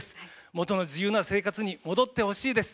元の自由な生活に戻ってほしいです。